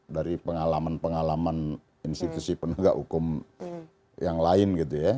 dari pengalaman pengalaman institusi penegak hukum yang lain gitu ya